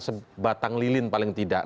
sebatang lilin paling tidak